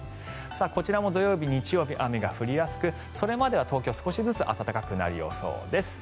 こちらも土曜日、日曜日雨が降りやすくそれまでは東京少しずつ暖かくなる予想です。